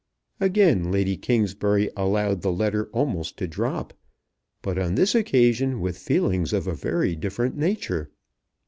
Again Lady Kingsbury allowed the letter almost to drop; but on this occasion with feelings of a very different nature.